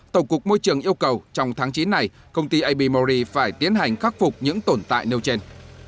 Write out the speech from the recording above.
tổng cục môi trường yêu cầu trong tháng chín này công ty ab mauri phải tiến hành khắc phục những tồn tại nêu trên